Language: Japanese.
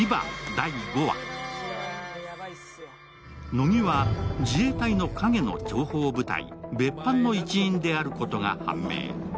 乃木は自衛隊の陰の諜報部隊、別班の一員であることが判明。